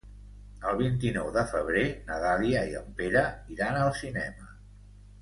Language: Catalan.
El vint-i-nou de febrer na Dàlia i en Pere iran al cinema.